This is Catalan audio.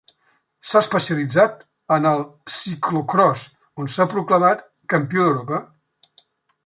S'ha especialitzat en el ciclocròs on s'ha proclamat Campió d'Europa.